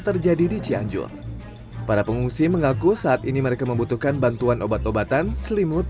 terjadi di cianjur para pengungsi mengaku saat ini mereka membutuhkan bantuan obat obatan selimut